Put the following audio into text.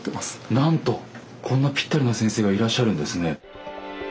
なんとこんなぴったりな先生がいらっしゃるんですね。